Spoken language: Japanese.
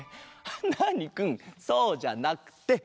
ナーニくんそうじゃなくて。